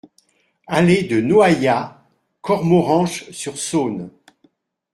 Allée de Noaillat, Cormoranche-sur-Saône